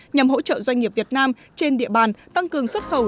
nhằm hỗ trợ doanh nghiệp việt nam trên địa bàn tăng cường xuất khẩu